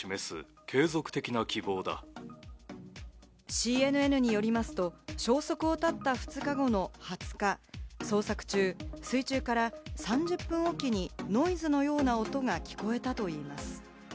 ＣＮＮによりますと、消息を絶った２日後の２０日、捜索中、水中から３０分おきにノイズのような音が聞こえたといいます。